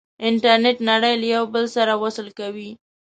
انټرنیټ نړۍ له یو بل سره وصل کوي.